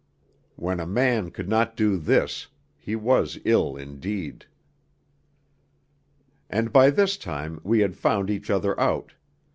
When a man could not do this, he was ill indeed. II And by this time we had found each other out.